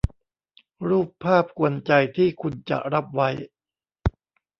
รูปภาพกวนใจที่คุณจะรับไว้